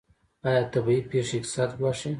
آیا طبیعي پیښې اقتصاد ګواښي؟